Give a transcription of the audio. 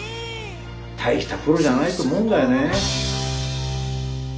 大したプロじゃないと思うんだよねぇ。